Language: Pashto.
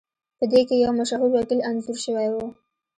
پدې کې یو مشهور وکیل انځور شوی و